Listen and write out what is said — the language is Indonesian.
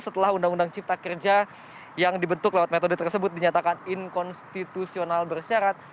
setelah undang undang cipta kerja yang dibentuk lewat metode tersebut dinyatakan inkonstitusional bersyarat